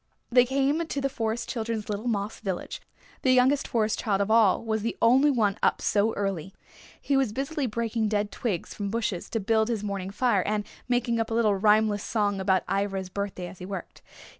They came to the Forest Children's little moss village. The youngest Forest Child of all was the only one up so early. He was busily breaking dead twigs from bushes to build his morning fire and making up a little rhymeless song about Ivra's birthday as he worked.